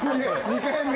２回目！